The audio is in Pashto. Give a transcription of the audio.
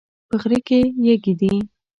په غره کې یږي دي